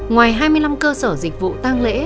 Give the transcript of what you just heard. ngoài hai mươi năm cơ sở dịch vụ tăng lễ